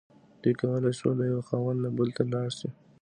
دوی کولی شول له یوه خاوند نه بل ته لاړ شي.